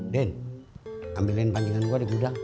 den ambilin bandingan gua di gudang